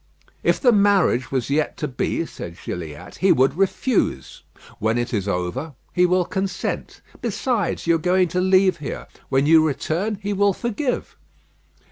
"If the marriage was yet to be," said Gilliatt, "he would refuse. When it is over he will consent. Besides, you are going to leave here. When you return he will forgive."